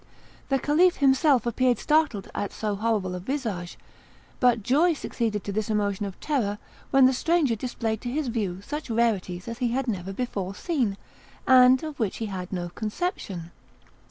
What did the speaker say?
The Caliph himself appeared startled at so horrible a visage, but joy succeeded to this emotion of terror when the stranger displayed to his view such rarities as he had never before seen, and of which he had no conception.